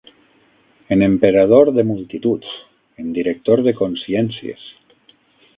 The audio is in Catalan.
En emperador de multituds, en director de consciències…